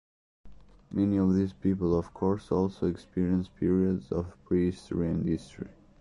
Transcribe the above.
Many of these peoples of course also experienced periods of prehistory and history.